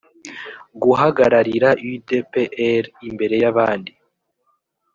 guhagararira u d p r imbere y abandi